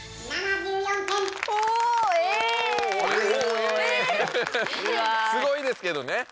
すごいですけどね。